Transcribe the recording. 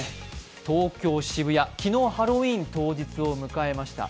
東京・渋谷、昨日ハロウィーン当日を迎えました。